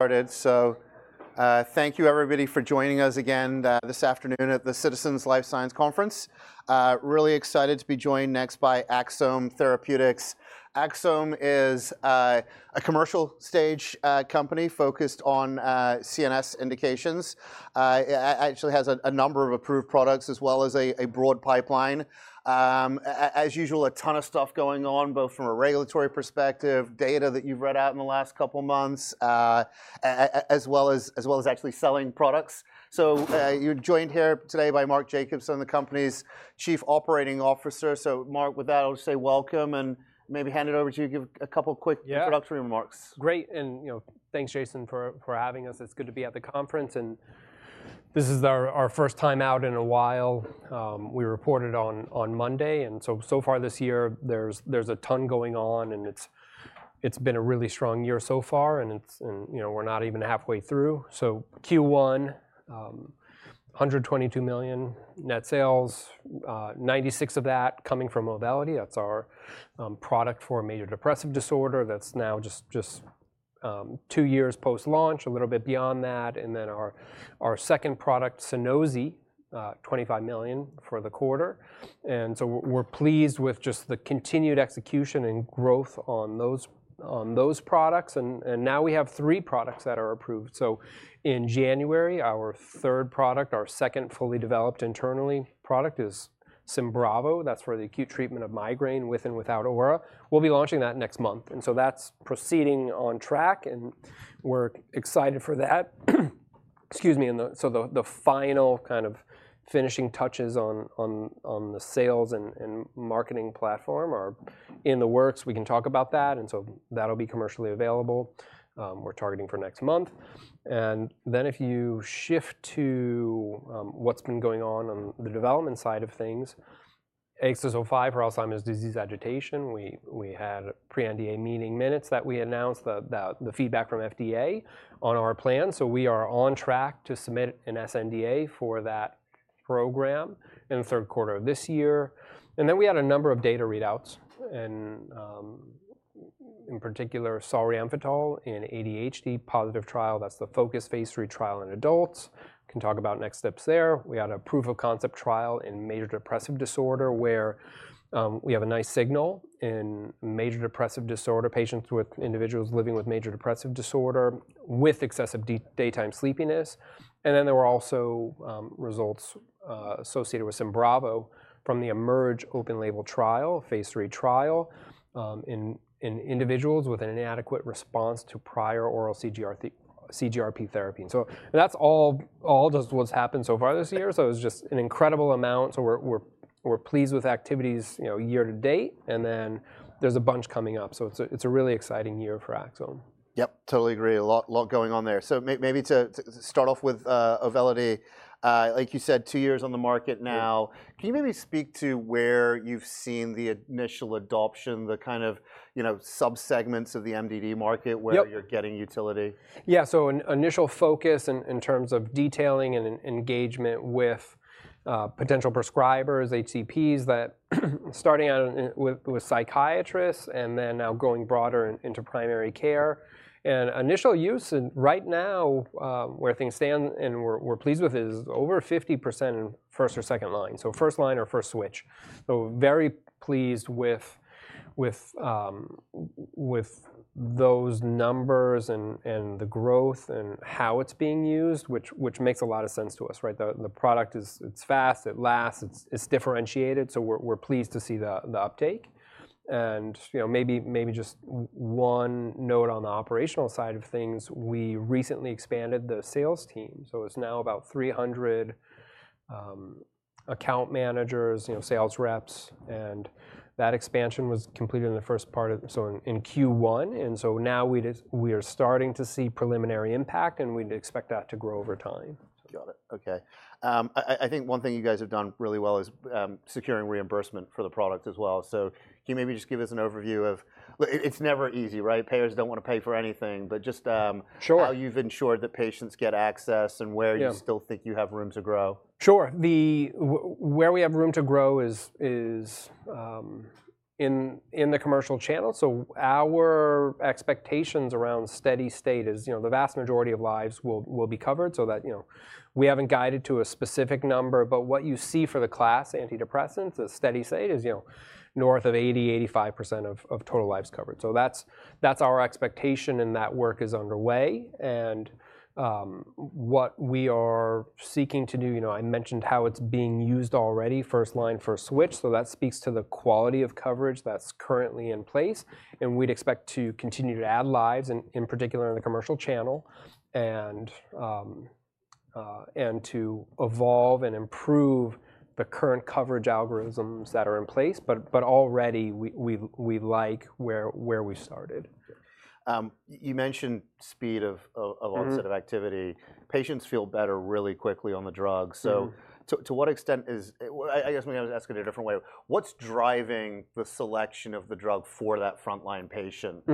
Started. Thank you, everybody, for joining us again this afternoon at the Citizens Life Sciences Conference. Really excited to be joined next by Axsome Therapeutics. Axsome is a commercial-stage company focused on CNS indications. It actually has a number of approved products as well as a broad pipeline. As usual, a ton of stuff going on, both from a regulatory perspective, data that you've read out in the last couple of months, as well as actually selling products. You're joined here today by Mark Jacobson, the company's Chief Operating Officer. Mark, with that, I'll say welcome and maybe hand it over to you to give a couple of quick introductory remarks. Great. Thanks, Jason, for having us. It's good to be at the conference. This is our first time out in a while. We reported on Monday. So far this year, there's a ton going on. It's been a really strong year so far. We're not even halfway through. Q1, $122 million net sales, $96 million of that coming from Auvelity. That's our product for major depressive disorder. That's now just two years post-launch, a little bit beyond that. Our second product, Sunosi, $25 million for the quarter. We're pleased with just the continued execution and growth on those products. Now we have three products that are approved. In January, our third product, our second fully developed internally product, is Symbravo. That's for the acute treatment of migraine with and without aura. We'll be launching that next month. That is proceeding on track. We are excited for that. Excuse me. The final kind of finishing touches on the sales and marketing platform are in the works. We can talk about that. That will be commercially available. We are targeting for next month. If you shift to what has been going on on the development side of things, Axsome Therapeutics for Alzheimer's disease agitation, we had a pre-NDA meeting minutes that we announced, the feedback from FDA on our plan. We are on track to submit an SNDA for that program in the third quarter of this year. We had a number of data readouts. In particular, solriamfetol in ADHD, positive trial. That is the focus phase three trial in adults. Can talk about next steps there. We had a proof of concept trial in major depressive disorder where we have a nice signal in major depressive disorder patients with individuals living with major depressive disorder with excessive daytime sleepiness. There were also results associated with Symbravo from the Emerge open label trial, phase three trial in individuals with an inadequate response to prior oral CGRP therapy. That is all just what has happened so far this year. It was just an incredible amount. We are pleased with activities year to date. There is a bunch coming up. It is a really exciting year for Axsome. Yep, totally agree. A lot going on there. Maybe to start off with Auvelity, like you said, two years on the market now. Can you maybe speak to where you've seen the initial adoption, the kind of subsegments of the MDD market where you're getting utility? Yeah. Initial focus in terms of detailing and engagement with potential prescribers, HCPs, starting out with psychiatrists and then now going broader into primary care. Initial use right now where things stand and we're pleased with is over 50% in first or second line, so first line or first switch. Very pleased with those numbers and the growth and how it's being used, which makes a lot of sense to us, right? The product is fast, it lasts, it's differentiated. We're pleased to see the uptake. Maybe just one note on the operational side of things, we recently expanded the sales team. It's now about 300 account managers, sales reps. That expansion was completed in the first part of, so in Q1. Now we are starting to see preliminary impact. We'd expect that to grow over time. Got it. Okay. I think one thing you guys have done really well is securing reimbursement for the product as well. Can you maybe just give us an overview of it's never easy, right? Payers don't want to pay for anything. Just how you've ensured that patients get access and where you still think you have room to grow. Sure. Where we have room to grow is in the commercial channel. Our expectations around steady state is the vast majority of lives will be covered. We have not guided to a specific number. What you see for the class antidepressants, a steady state is north of 80%-85% of total lives covered. That is our expectation and that work is underway. What we are seeking to do, I mentioned how it is being used already, first line first switch. That speaks to the quality of coverage that is currently in place. We would expect to continue to add lives, in particular in the commercial channel, and to evolve and improve the current coverage algorithms that are in place. Already we like where we started. You mentioned speed of onset of activity. Patients feel better really quickly on the drug. To what extent is, I guess I'm going to ask it a different way. What's driving the selection of the drug for that frontline patient?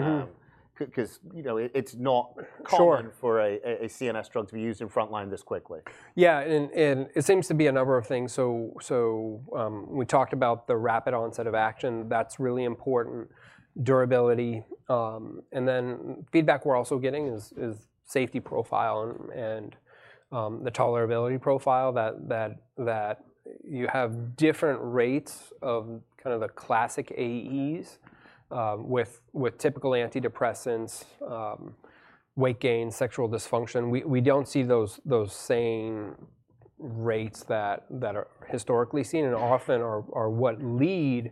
Because it's not common for a CNS drug to be used in frontline this quickly. Yeah. It seems to be a number of things. We talked about the rapid onset of action. That is really important. Durability. Feedback we are also getting is safety profile and the tolerability profile. You have different rates of kind of the classic AEs with typical antidepressants, weight gain, sexual dysfunction. We do not see those same rates that are historically seen and often are what lead to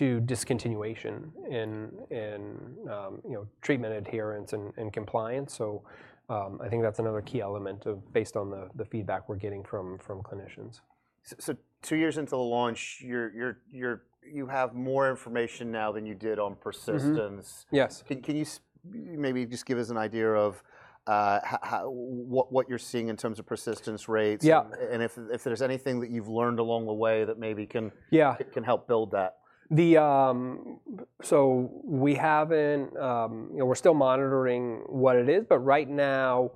discontinuation in treatment adherence and compliance. I think that is another key element based on the feedback we are getting from clinicians. Two years into the launch, you have more information now than you did on persistence. Yes. Can you maybe just give us an idea of what you're seeing in terms of persistence rates? Yeah. If there's anything that you've learned along the way that maybe can help build that. have not, we are still monitoring what it is. Right now,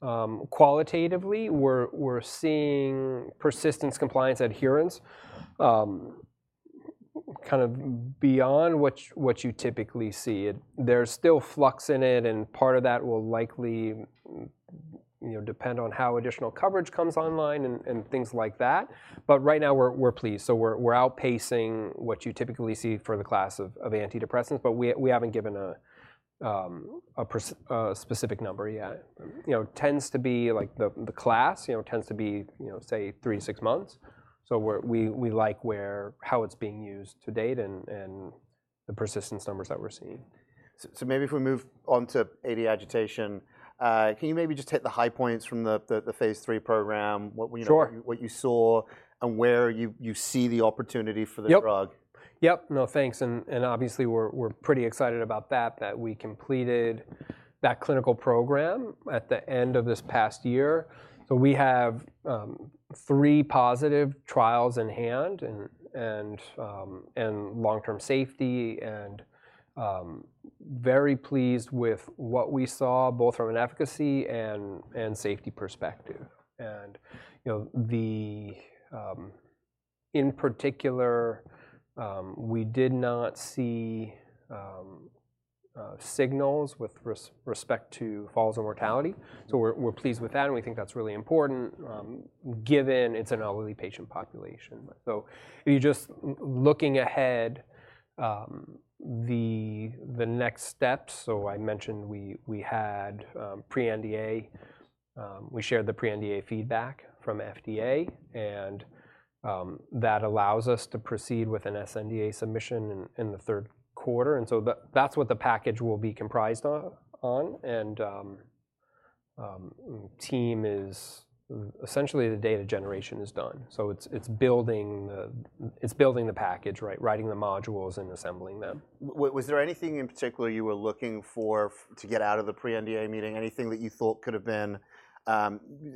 qualitatively, we are seeing persistence, compliance, adherence kind of beyond what you typically see. There is still flux in it, and part of that will likely depend on how additional coverage comes online and things like that. Right now, we are pleased. We are outpacing what you typically see for the class of antidepressants, but we have not given a specific number yet. It tends to be, like, the class tends to be, say, three to six months. We like how it is being used to date and the persistence numbers that we are seeing. Maybe if we move on to AD agitation, can you maybe just hit the high points from the phase three program, what you saw, and where you see the opportunity for the drug? Yep. No, thanks. Obviously, we're pretty excited about that, that we completed that clinical program at the end of this past year. We have three positive trials in hand and long-term safety. Very pleased with what we saw both from an efficacy and safety perspective. In particular, we did not see signals with respect to falls in mortality. We're pleased with that. We think that's really important given it's an elderly patient population. If you're just looking ahead, the next steps, I mentioned we had pre-NDA. We shared the pre-NDA feedback from FDA. That allows us to proceed with an SNDA submission in the third quarter. That's what the package will be comprised on. Team is essentially, the data generation is done. It's building the package, right, writing the modules and assembling them. Was there anything in particular you were looking for to get out of the pre-NDA meeting? Anything that you thought could have been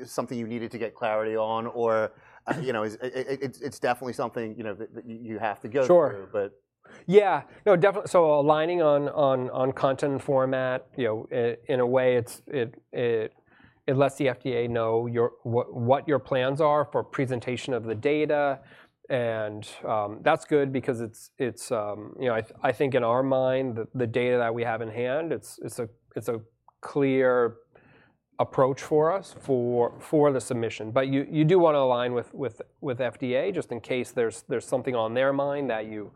something you needed to get clarity on? Or is it definitely something that you have to go through? Sure. Yeah. Aligning on content and format, in a way, it lets the FDA know what your plans are for presentation of the data. That is good because I think in our mind, the data that we have in hand, it is a clear approach for us for the submission. You do want to align with FDA just in case there is something on their mind that you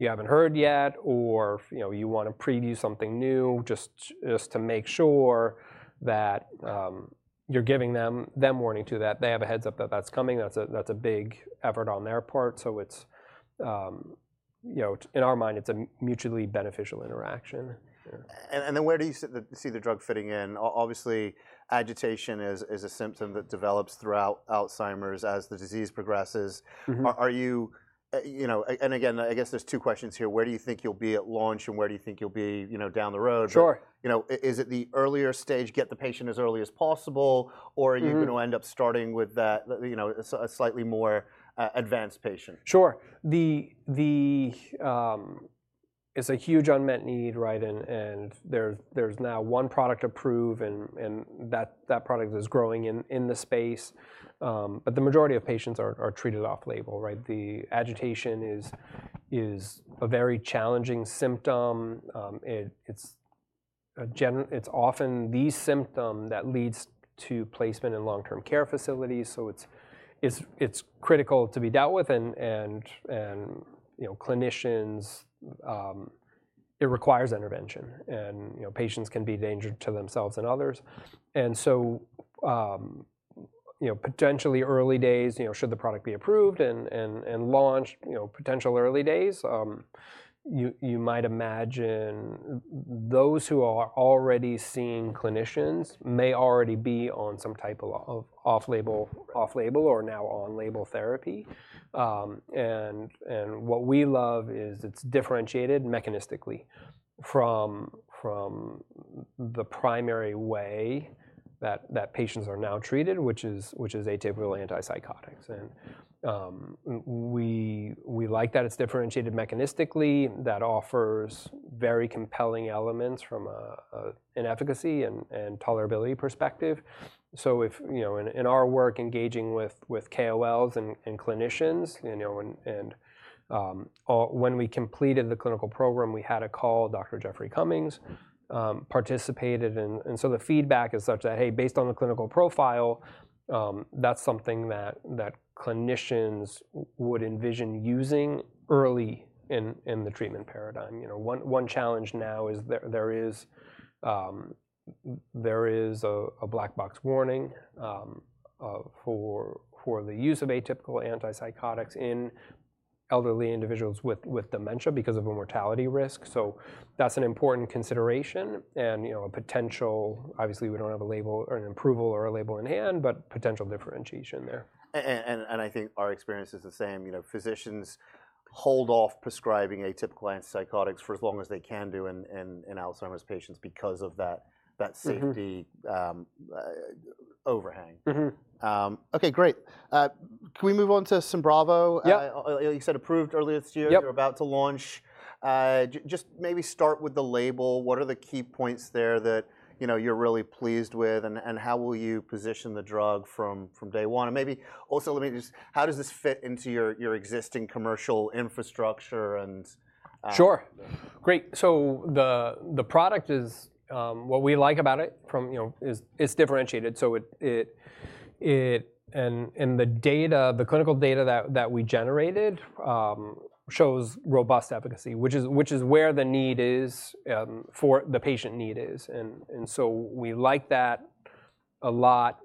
have not heard yet or you want to preview something new just to make sure that you are giving them warning too, that they have a heads up that that is coming. That is a big effort on their part. In our mind, it is a mutually beneficial interaction. Where do you see the drug fitting in? Obviously, agitation is a symptom that develops throughout Alzheimer's as the disease progresses. I guess there are two questions here. Where do you think you'll be at launch? Where do you think you'll be down the road? Sure. Is it the earlier stage, get the patient as early as possible? Or are you going to end up starting with a slightly more advanced patient? Sure. It's a huge unmet need, right? There's now one product approved. That product is growing in the space. The majority of patients are treated off label, right? The agitation is a very challenging symptom. It's often the symptom that leads to placement in long-term care facilities. It's critical to be dealt with. Clinicians, it requires intervention. Patients can be danger to themselves and others. Potentially early days, should the product be approved and launched, potential early days, you might imagine those who are already seeing clinicians may already be on some type of off-label or now on label therapy. What we love is it's differentiated mechanistically from the primary way that patients are now treated, which is atypical antipsychotics. We like that it's differentiated mechanistically. That offers very compelling elements from an efficacy and tolerability perspective. In our work engaging with KOLs and clinicians, when we completed the clinical program, we had a call. Dr. Jeffrey Cummings participated. The feedback is such that, hey, based on the clinical profile, that's something that clinicians would envision using early in the treatment paradigm. One challenge now is there is a black box warning for the use of atypical antipsychotics in elderly individuals with dementia because of a mortality risk. That's an important consideration. A potential, obviously, we don't have a label or an approval or a label in hand, but potential differentiation there. I think our experience is the same. Physicians hold off prescribing atypical antipsychotics for as long as they can do in Alzheimer's patients because of that safety overhang. Okay, great. Can we move on to Symbravo? Yeah. You said approved earlier this year. Yeah. You're about to launch. Just maybe start with the label. What are the key points there that you're really pleased with? How will you position the drug from day one? Maybe also let me just, how does this fit into your existing commercial infrastructure? Sure. Great. The product is, what we like about it is differentiated. In the data, the clinical data that we generated shows robust efficacy, which is where the need is, where the patient need is. We like that a lot.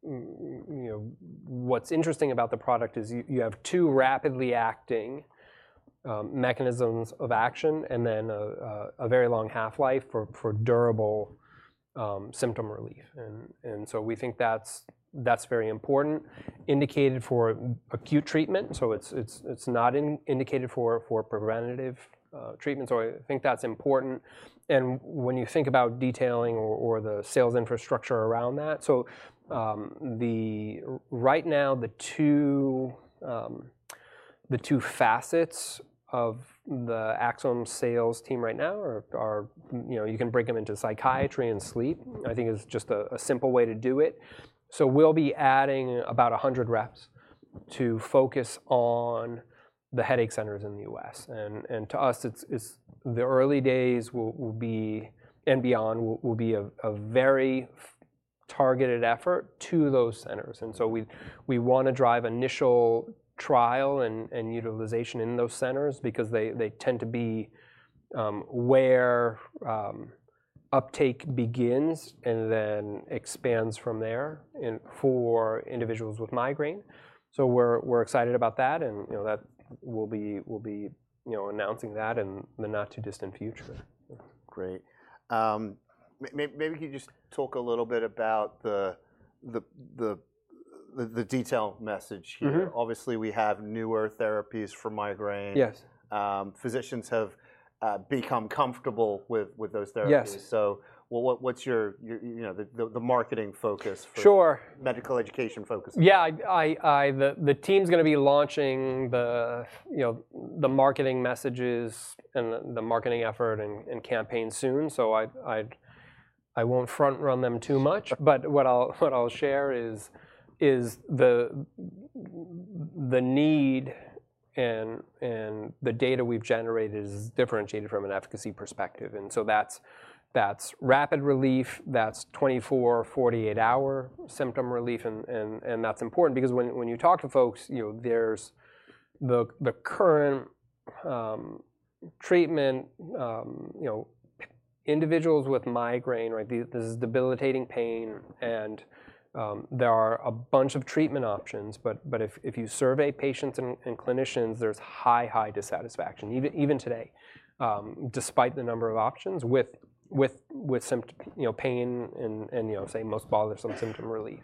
What's interesting about the product is you have two rapidly acting mechanisms of action and then a very long half-life for durable symptom relief. We think that's very important. Indicated for acute treatment. It's not indicated for preventative treatment. I think that's important. When you think about detailing or the sales infrastructure around that, right now, the two facets of the Axsome sales team right now are, you can break them into psychiatry and sleep, I think, is just a simple way to do it. We'll be adding about 100 reps to focus on the headache centers in the U.S. To us, the early days will be and beyond will be a very targeted effort to those centers. We want to drive initial trial and utilization in those centers because they tend to be where uptake begins and then expands from there for individuals with migraine. We're excited about that. We'll be announcing that in the not too distant future. Great. Maybe could you just talk a little bit about the detailed message here? Obviously, we have newer therapies for migraine. Yes. Physicians have become comfortable with those therapies. Yes. What's the marketing focus for medical education focus? Sure. Yeah. The team's going to be launching the marketing messages and the marketing effort and campaign soon. I won't front-run them too much. What I'll share is the need and the data we've generated is differentiated from an efficacy perspective. That is rapid relief. That is 24, 48-hour symptom relief. That is important because when you talk to folks, there's the current treatment individuals with migraine, right? This is debilitating pain. There are a bunch of treatment options. If you survey patients and clinicians, there's high, high dissatisfaction even today, despite the number of options with pain and, say, most bothersome symptom relief.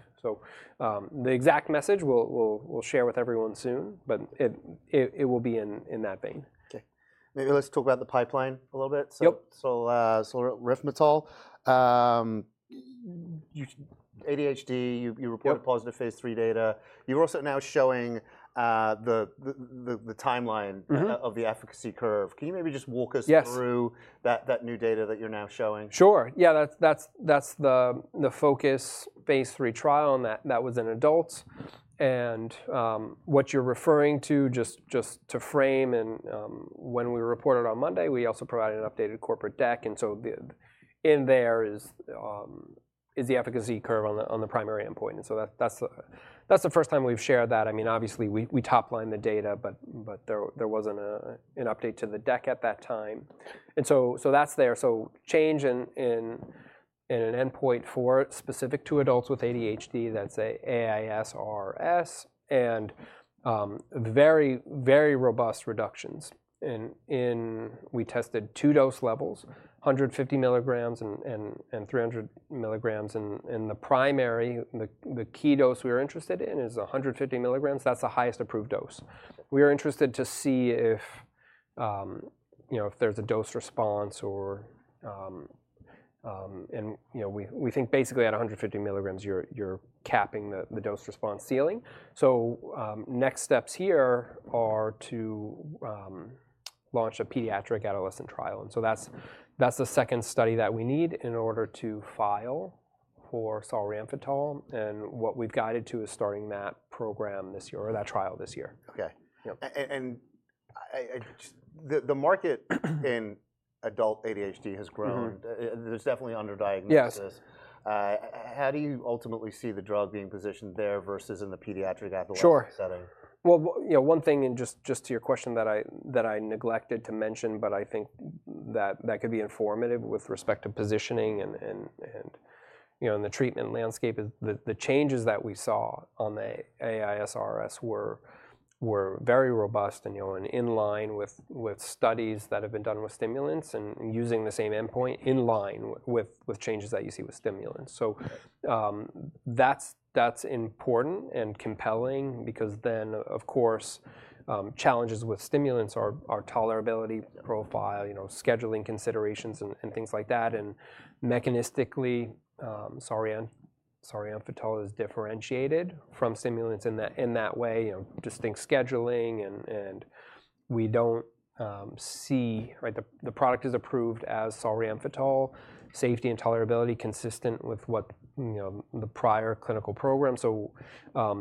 The exact message we'll share with everyone soon. It will be in that vein. Okay. Maybe let's talk about the pipeline a little bit. Yep. Solriamfetol, ADHD, you reported positive phase three data. You're also now showing the timeline of the efficacy curve. Can you maybe just walk us through that new data that you're now showing? Sure. Yeah. That's the focus phase three trial that was in adults. What you're referring to, just to frame, and when we reported on Monday, we also provided an updated corporate deck. In there is the efficacy curve on the primary endpoint. That's the first time we've shared that. I mean, obviously, we top-lined the data. There wasn't an update to the deck at that time. That's there. Change in an endpoint for specific to adults with ADHD, that's AISRS and very, very robust reductions. We tested two dose levels, 150 milligrams and 300 milligrams. The primary, the key dose we were interested in is 150 milligrams. That's the highest approved dose. We are interested to see if there's a dose response or we think basically at 150 milligrams, you're capping the dose response ceiling. Next steps here are to launch a pediatric adolescent trial. That's the second study that we need in order to file for Sunosi. What we've guided to is starting that program this year or that trial this year. Okay. The market in adult ADHD has grown. There's definitely underdiagnosis. Yes. How do you ultimately see the drug being positioned there versus in the pediatric adolescent setting? Sure. One thing just to your question that I neglected to mention, but I think that could be informative with respect to positioning and the treatment landscape, is the changes that we saw on the AISRS were very robust and in line with studies that have been done with stimulants and using the same endpoint in line with changes that you see with stimulants. That is important and compelling because then, of course, challenges with stimulants are tolerability profile, scheduling considerations, and things like that. Mechanistically, solriamfetol is differentiated from stimulants in that way, distinct scheduling. We do not see the product is approved as solriamfetol, safety and tolerability consistent with the prior clinical program.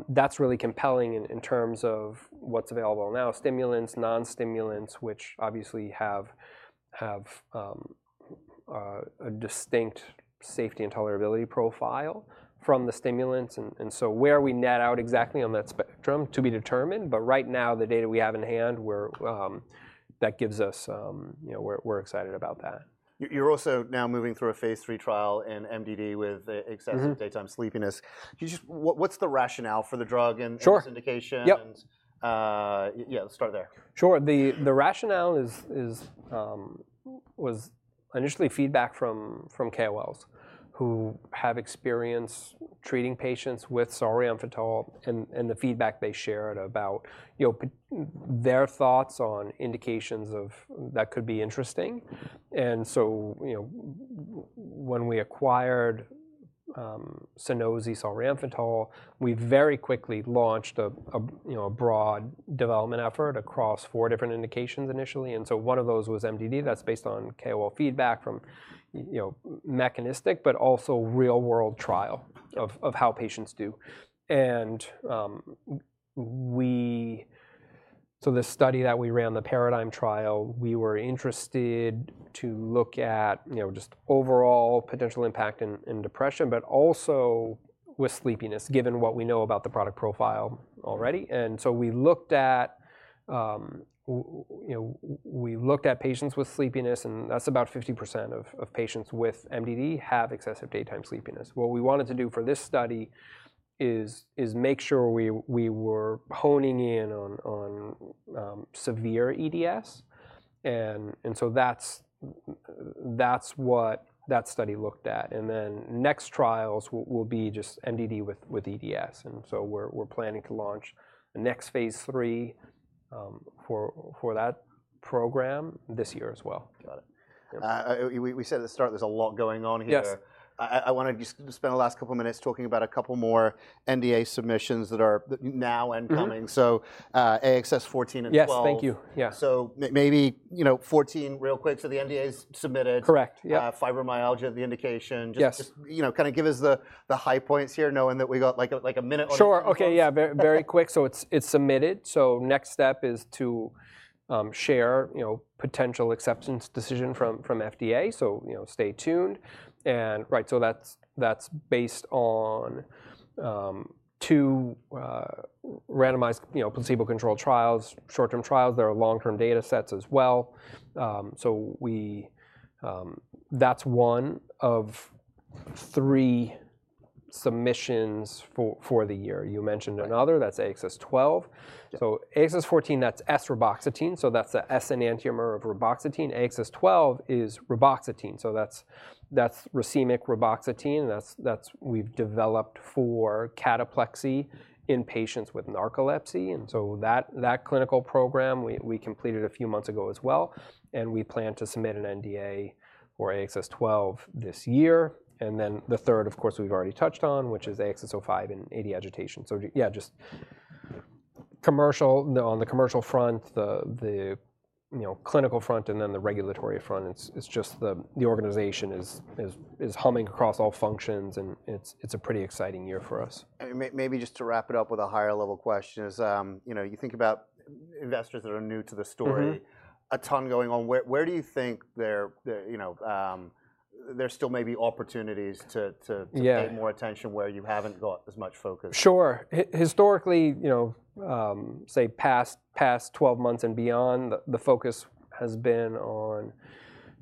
That is really compelling in terms of what is available now, stimulants, non-stimulants, which obviously have a distinct safety and tolerability profile from the stimulants. Where we net out exactly on that spectrum is to be determined. Right now, the data we have in hand gives us—we're excited about that. You're also now moving through a phase three trial in MDD with excessive daytime sleepiness. What's the rationale for the drug and its indication? Sure. Yeah. Yeah, start there. Sure. The rationale was initially feedback from KOLs who have experience treating patients with solriamfetol and the feedback they shared about their thoughts on indications that could be interesting. The feedback was that when we acquired Sunosi, solriamfetol, we very quickly launched a broad development effort across four different indications initially. One of those was MDD. That is based on KOL feedback from mechanistic, but also real-world trial of how patients do. The study that we ran, the PARADIGM trial, we were interested to look at just overall potential impact in depression, but also with sleepiness, given what we know about the product profile already. We looked at patients with sleepiness. About 50% of patients with MDD have excessive daytime sleepiness. What we wanted to do for this study is make sure we were honing in on severe EDS. That's what that study looked at. The next trials will be just MDD with EDS. We're planning to launch the next phase three for that program this year as well. Got it. We said at the start there's a lot going on here. Yes. I want to just spend the last couple of minutes talking about a couple more NDA submissions that are now incoming. So AXS-14 and AXS-12. Yes, thank you. Yeah. Maybe 14 real quick. So the NDA is submitted. Correct. Yeah. Fibromyalgia is the indication. Yes. Just kind of give us the high points here, knowing that we got like a minute or two. Sure. Okay. Yeah, very quick. It's submitted. Next step is to share potential acceptance decision from FDA. Stay tuned. Right, that's based on two randomized placebo-controlled trials, short-term trials. There are long-term data sets as well. That's one of three submissions for the year. You mentioned another. That's AXS-12. AXS-14, that's esreboxetine. That's the S enantiomer of reboxetine. AXS-12 is reboxetine. That's racemic reboxetine. We've developed for cataplexy in patients with narcolepsy. That clinical program, we completed a few months ago as well. We plan to submit an NDA for AXS-12 this year. The third, of course, we've already touched on, which is AXS-05 and AD agitation. Just on the commercial front, the clinical front, and then the regulatory front, the organization is humming across all functions. It is a pretty exciting year for us. Maybe just to wrap it up with a higher-level question, as you think about investors that are new to the story, a ton going on. Where do you think there still may be opportunities to pay more attention where you haven't got as much focus? Sure. Historically, say, past 12 months and beyond, the focus has been on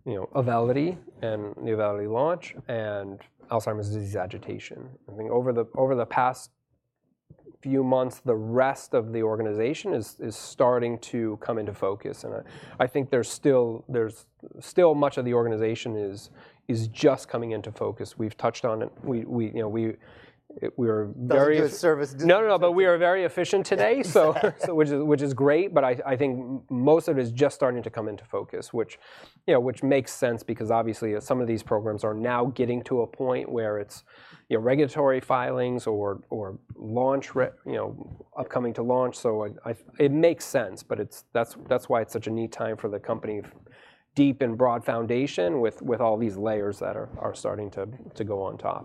Auvelity and the Auvelity launch and Alzheimer's disease agitation. I think over the past few months, the rest of the organization is starting to come into focus. I think there's still much of the organization is just coming into focus. We've touched on it. We are very. That's good service. No, no. We are very efficient today, which is great. I think most of it is just starting to come into focus, which makes sense because obviously, some of these programs are now getting to a point where it's regulatory filings or upcoming to launch. It makes sense. That's why it's such a neat time for the company. Deep and broad foundation with all these layers that are starting to go on top.